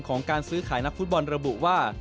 การซื้อขายนักฟุตบอลระบุว่า